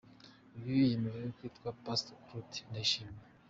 Ubu yemerewe kwitwa Pastor Claude Ndayishimiye.